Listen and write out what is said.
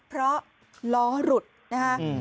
เพราะล้อหลุดนะคะ